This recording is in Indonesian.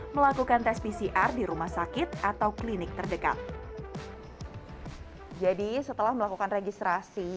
melakukan tes pcr di rumah sakit atau klinik terdekat jadi setelah melakukan registrasi